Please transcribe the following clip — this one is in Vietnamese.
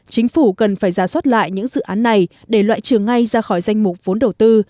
chính phủ cần phải ra soát lại những dự án này để loại trừ ngay ra khỏi danh mục vốn đầu tư